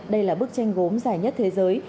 đây là bức tranh gốm dài nhất thế giới